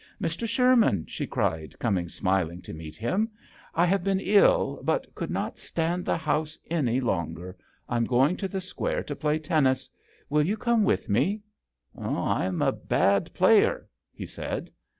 " Mr. Sherman," she cried, coming smiling to meet him, " I 56 JOHN SHERMAN. have been ill, but could not stand the house any longer. I am going to the Square to play tennis. Will you come with me ?"" I am a bad player/' he said.